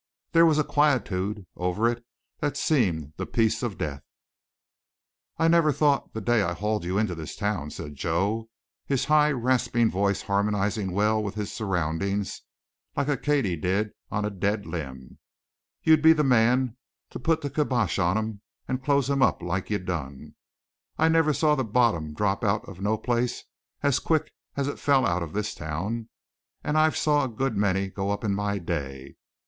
There was a quietude over it that seemed the peace of death. "I never thought, the day I hauled you into this town," said Joe, his high rasping voice harmonizing well with his surroundings, like a katydid on a dead limb, "you'd be the man to put the kibosh on 'em and close 'em up like you done. I never saw the bottom drop out of no place as quick as it's fell out of this town, and I've saw a good many go up in my day.